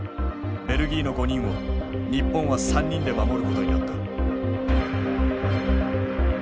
ベルギーの５人を日本は３人で守ることになった。